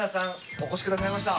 お越しくださいました。